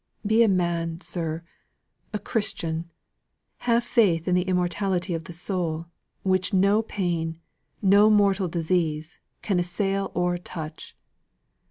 Be a man, sir a Christian. Have faith in the immortality of the soul, which no pain, no mortal disease, can assail or touch!"